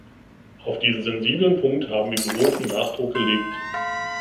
Auf diesen sensiblen Punkt haben wir großen Nachdruck gelegt.